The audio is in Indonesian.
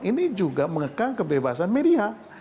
ini juga mengekang kebebasan media